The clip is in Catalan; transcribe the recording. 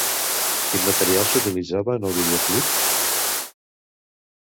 Quin material s'utilitza en el videoclip?